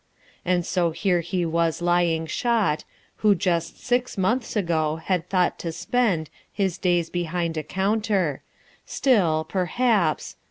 And so here he was lying shot Who just six months ago had thought to spend His days behind a counter. Still, perhaps....